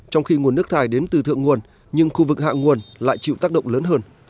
trong khi nguồn nước thải đến từ thượng nguồn nhưng khu vực hạ nguồn lại chịu tác động lớn hơn